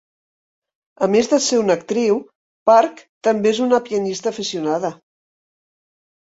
A més de ser una actriu, Park també és una pianista aficionada.